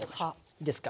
いいですか。